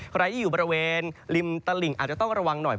ใครที่อยู่บริเวณริมตลิ่งอาจจะต้องระวังหน่อย